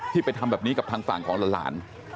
ไปทำแบบนี้กับทางฝั่งของหลาน